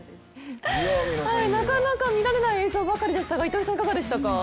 なかなか見られない映像ばかりでしたが糸井さん、いかがでしたか？